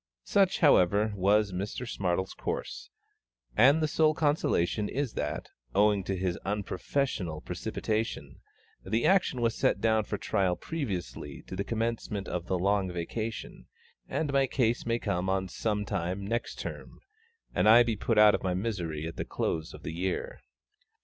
Such, however, was Mr SMARTLE'S course; and the sole consolation is that, owing to his unprofessional precipitation, the action was set down for trial previously to the commencement of the Long Vacation, and my case may come on some time next Term, and I be put out of my misery at the close of the year.